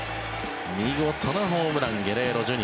見事なホームランゲレーロＪｒ．。